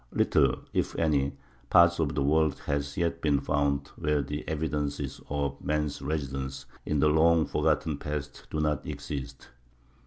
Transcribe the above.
Little, if any, part of the world has yet been found where the evidences of man's residence in the long forgotten past do not exist.